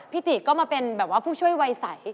พี่ตีย์ก็มาเป็นภูเข้าช่วยวัยสัย